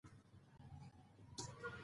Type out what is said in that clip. د نوي کور جوړول لوی لګښت لري.